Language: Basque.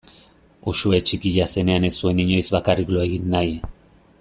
Uxue txikia zenean ez zuen inoiz bakarrik lo egin nahi.